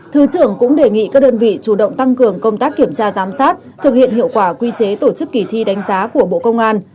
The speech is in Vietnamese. thứ trưởng cũng đề nghị các đơn vị chủ động tăng cường công tác kiểm tra giám sát thực hiện hiệu quả quy chế tổ chức kỳ thi đánh giá của bộ công an